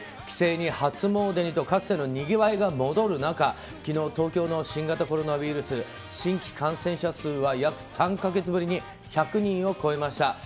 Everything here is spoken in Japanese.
帰省に初詣にとかつてのにぎわいが戻る中、昨日東京の新型コロナウイルス新規感染者数は約３か月ぶりに１００人を超えました。